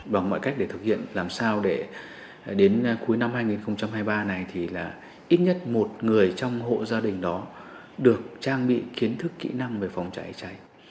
bằng mọi cách để thực hiện làm sao để đến cuối năm hai nghìn hai mươi ba này thì là ít nhất một người trong hộ gia đình đó được trang bị kiến thức kỹ năng về phòng cháy cháy